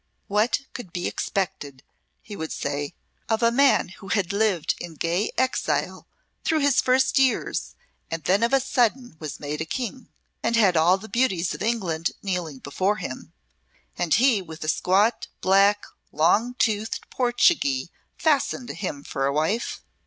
"What could be expected," he would say, "of a man who had lived in gay exile through his first years, and then of a sudden was made a King, and had all the beauties of England kneeling before him and he with a squat, black, long toothed Portugee fastened to him for a wife?